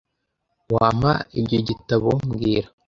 Wampa ibyo gitabo mbwira